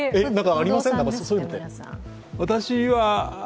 ありません？